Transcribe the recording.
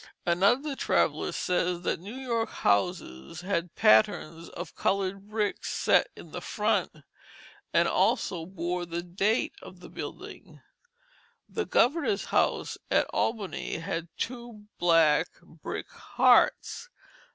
Another traveller says that New York houses had patterns of colored brick set in the front, and also bore the date of building. The Governor's house at Albany had two black brick hearts.